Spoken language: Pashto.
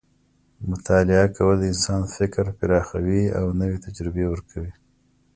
مطالعه کول د انسان فکر پراخوي او نوې تجربې ورکوي.